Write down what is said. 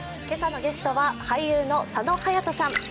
今朝のゲストは俳優の佐野勇斗さん